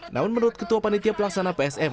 namun menurut ketua panitia pelaksana psm